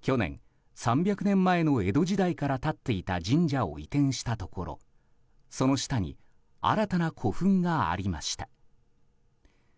去年、３００年前の江戸時代から立っていた神社を移転したところ、その下に新たな古墳がありました。